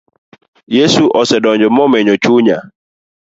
Yesu osedonjo momenyo chunya